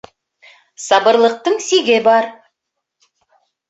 Сабырлыҡтың сиге бар.